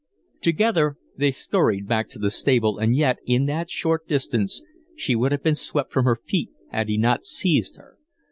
Together they scurried back to the stable, and yet, in that short distance, she would have been swept from her feet had he not seized her.